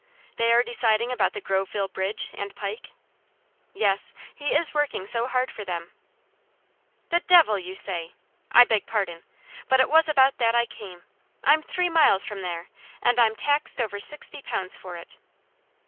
"They are deciding about the Groveville bridge, and pike?" "Yes. He is working so hard for them." "The devil you say! I beg pardon! But it was about that I came. I'm three miles from there, and I'm taxed over sixty pounds for it."